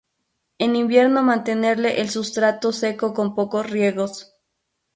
En invierno mantenerle el sustrato seco con pocos riegos.